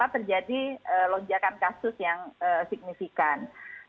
terjadi lonjakan kasus yang signifikan